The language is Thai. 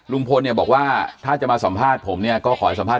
ลุงพลบอกว่าถ้าจะมาสัมภาษณ์ผมเนี่ยก็ขอดีเรื่องคดีเท่านั้น